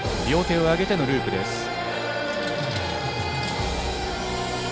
両手を上げてのループです。